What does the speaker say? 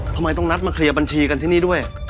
ทำไมต้องนัดมาเคลียร์บัญชีกันที่นี่ด้วย